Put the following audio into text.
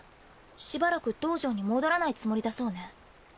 しばらく道場に戻らないつもりだそうね。